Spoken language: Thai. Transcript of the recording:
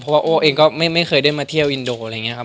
เพราะว่าโอ้เองก็ไม่เคยได้มาเที่ยวอินโดอะไรอย่างนี้ครับ